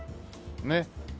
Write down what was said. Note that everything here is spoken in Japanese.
ねっ。